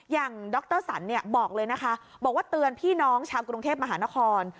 ดรสันบอกเลยนะคะบอกว่าเตือนพี่น้องชาวกรุงเทพมหานคร